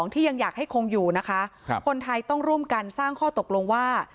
ที่ยังอยากให้คงอยู่นะคะคนไทยต้องร่วมกันสร้างข้อตกลงว่า